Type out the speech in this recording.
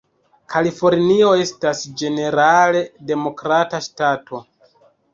Kalifornio estas ĝenerale Demokrata ŝtato.